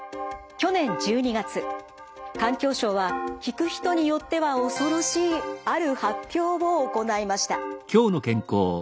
去年１２月環境省は聞く人によっては恐ろしいある発表を行いました。